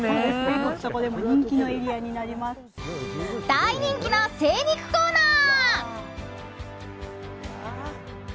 大人気の精肉コーナー。